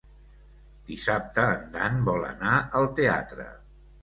Dissabte en Dan vol anar al teatre.